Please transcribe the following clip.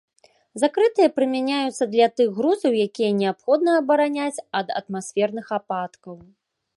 Закрытыя прымяняюцца для тых грузаў, якія неабходна абараняць ад атмасферных ападкаў.